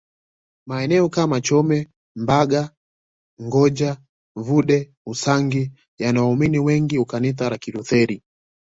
Maeneo kama Chome Mbaga Gonja Vudee Usangi yana waumini wengi wa Kanisa la Kilutheri